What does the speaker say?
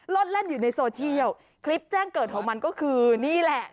ดเล่นอยู่ในโซเชียลคลิปแจ้งเกิดของมันก็คือนี่แหละ